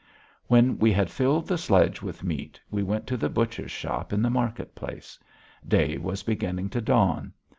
When we had filled the sledge with meat, we went to the butcher's shop in the market place. Day was beginning to dawn.